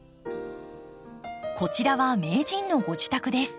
こちらは名人のご自宅です。